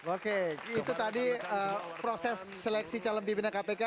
oke itu tadi proses seleksi calon pimpinan kpk